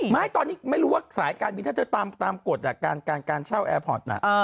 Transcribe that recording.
ไม่ตอนนี้ไม่รู้ว่าสายการบินถ้าเธอตามกฎการเช่าแอร์พอร์ต